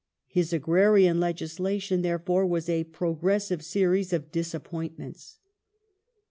His agrarian legislation, therefore, was a progressive series of disappoint ments.